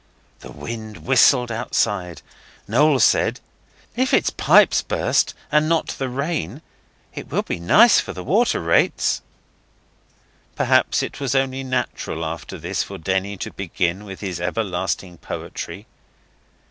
The wind whistled outside. Noel said, 'If it's pipes burst, and not the rain, it will be nice for the water rates.' Perhaps it was only natural after this for Denny to begin with his everlasting poetry.